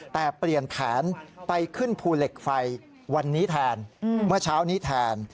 แต่เปลี่ยนแผนไปขึ้นภูเหล็กไฟวันนี้แทนเมื่อเช้านี้แทน